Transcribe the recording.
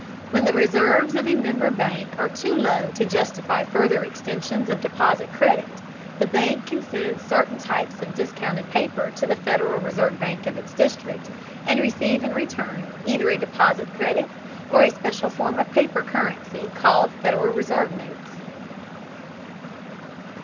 When the reserves of a member bank are too low to justify further extensions of deposit credit, the bank can send certain types of discounted paper to the Federal Reserve bank of its district, and receive in return either a deposit credit or a special form of paper currency called Federal Reserve notes.